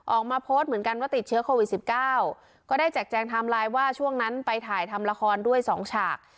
ออกมาโพสต์เหมือนกันว่าติดเชื้อโควิด๑๙ก็ได้แจกแจงไทม์ไลน์ว่าช่วงนั้นไปถ่ายทำละครด้วย๒ฉาก